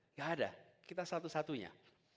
nggak ada kita satu satunya